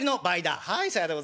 「はいさようでございますね。